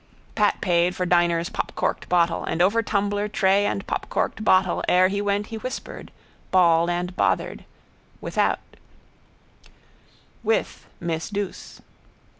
Pat paid for diner's popcorked bottle: and over tumbler, tray and popcorked bottle ere he went he whispered, bald and bothered, with miss Douce.